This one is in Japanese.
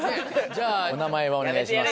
じゃあお名前をお願いします。